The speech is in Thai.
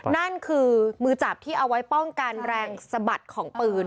นั่นคือมือจับที่เอาไว้ป้องกันแรงสะบัดของปืน